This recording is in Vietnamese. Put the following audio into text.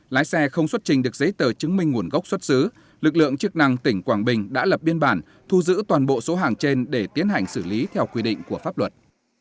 lái xe không xuất trình được giấy tờ chứng minh nguồn gốc xuất xứ lực lượng chức năng tỉnh quảng bình đã lập biên bản thu giữ toàn bộ số hàng trên để tiến hành xử lý theo quy định của pháp luật